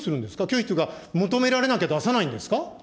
拒否というか、求められなきゃ出さないんですか。